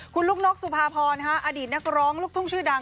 คุณลูกนกสุภาพรอดีตนักร้องลูกทุ่งชื่อดัง